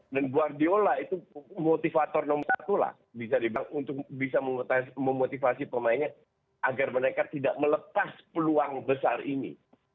dan guardiola itu motivator nomor satulah bisa dibangun untuk bisa memotivasi pemainnya agar mereka tidak melepas peluang besar ini